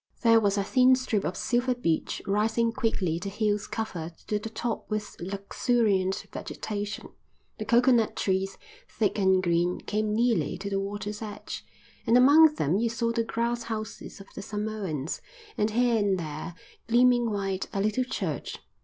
There was a thin strip of silver beach rising quickly to hills covered to the top with luxuriant vegetation. The coconut trees, thick and green, came nearly to the water's edge, and among them you saw the grass houses of the Samoans; and here and there, gleaming white, a little church.